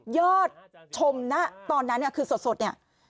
ยอดชมนะตอนนั้นคือสดเนี่ย